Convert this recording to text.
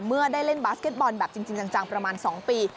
เมื่อได้เล่นบาสเก็ตบอลแบบจริงจังประมาณ๒ปี